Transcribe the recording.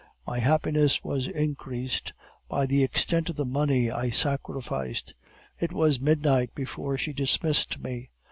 My happiness was increased by the extent of the money I sacrificed. It was midnight before she dismissed me.